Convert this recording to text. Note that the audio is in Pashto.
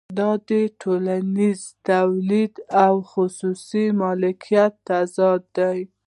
دا د ټولنیز تولید او خصوصي مالکیت تضاد دی